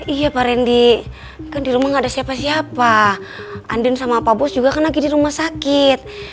iya pak randy kan di rumah gak ada siapa siapa andin sama pak bos juga kan lagi di rumah sakit